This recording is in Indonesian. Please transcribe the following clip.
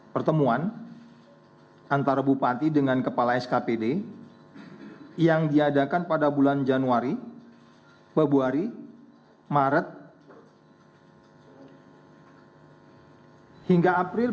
pertemuan antara bupati dengan kepala skpd yang diadakan pada bulan januari februari maret hingga april dua ribu dua